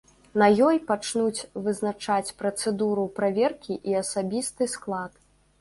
На ёй пачнуць вызначаць працэдуру праверкі і асабісты склад.